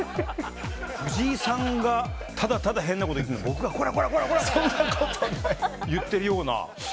藤井さんがただただ変なことを言ってるのを、僕らがこらこらこらこらって言ってるような。